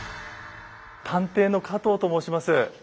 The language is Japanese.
探偵の加藤と申します。